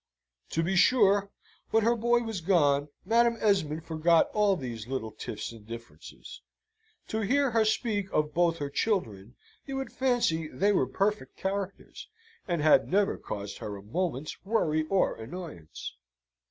To be sure, when her boy was gone, Madam Esmond forgot all these little tiffs and differences. To hear her speak of both her children, you would fancy they were perfect characters, and had never caused her a moment's worry or annoyance.